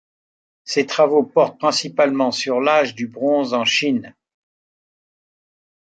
Ses travaux portent principalement sur l'âge du bronze en Chine.